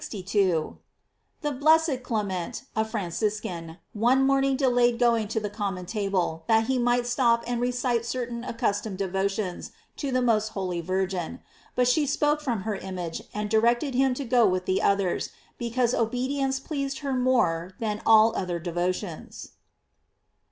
— The blessed Clement, a Franciscan, one morning delayed going to the common table, that he might stop and recite certain accustomed devotions to the most holy Virgin; but she spoke from her image, and directed him to go with the others, because obedience pleased her more than all other devotions.